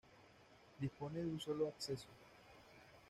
Dispone de un solo acceso.